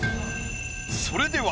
それでは。